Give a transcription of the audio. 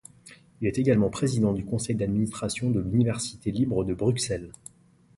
Il est également président du conseil d'administration de l'Université libre de Bruxelles.